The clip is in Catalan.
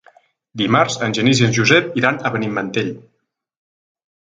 Dimarts en Genís i en Josep iran a Benimantell.